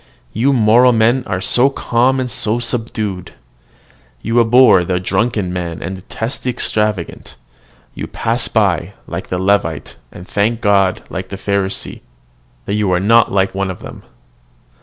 You moral men are so calm and so subdued! You abhor the drunken man, and detest the extravagant; you pass by, like the Levite, and thank God, like the Pharisee, that you are not like one of them.